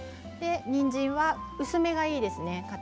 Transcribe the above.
にんじんは薄めがいいですね。